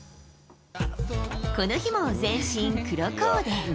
この日も全身黒コーデ。